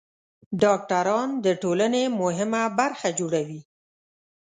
ډاکټران د ټولنې مهمه برخه جوړوي.